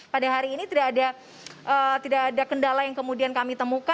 pada hari ini tidak ada kendala yang kemudian kami temukan